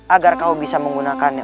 agar kau bisa menggunakannya